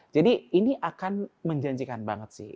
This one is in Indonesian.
jadi ini akan menjanjikan banget sih